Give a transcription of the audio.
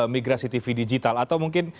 migrasi tv digital atau mungkin